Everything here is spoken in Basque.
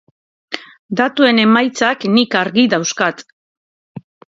Datuen emaitzak nik argi dauzkat.